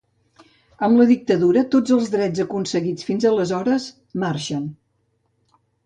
Amb la dictadura tots els drets aconseguits fins aleshores marxen.